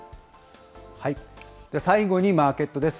最後にマーケットです。